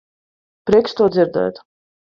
Prieks to dzirdēt.